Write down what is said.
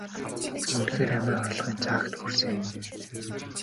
Би үнэхээр амиа хорлохын заагт хүрсэн.